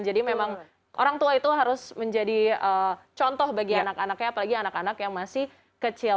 jadi memang orang tua itu harus menjadi contoh bagi anak anaknya apalagi anak anak yang masih kecil